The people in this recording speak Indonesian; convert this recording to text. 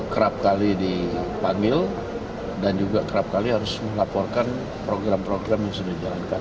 kerap kali dipanggil dan juga kerap kali harus melaporkan program program yang sudah dijalankan